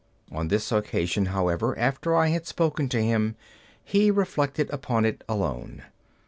On this occasion, however, after I had spoken to him, he reflected upon it alone.